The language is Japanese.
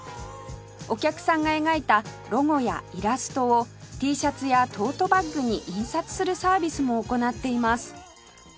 お客さんが描いたロゴやイラストを Ｔ シャツやトートバッグに印刷するサービスも行っています